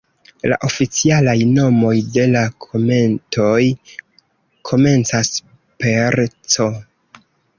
La oficialaj nomoj de la kometoj komencas per "C".